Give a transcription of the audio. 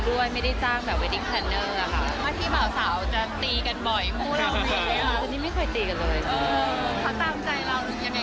แล้วมันเป็นงานที่เจนนี่กับมิกกี้แบบทำกันเองด้วย